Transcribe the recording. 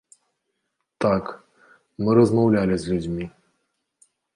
Так, мы размаўлялі з людзьмі.